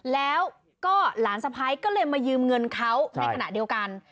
แล้วก็หลานสะพ้ายก็เลยมายืมเงินเขาในขณะเดียวกัน